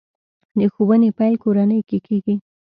د ښوونې پیل کورنۍ کې کېږي.